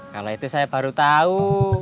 kalau itu saya baru tahu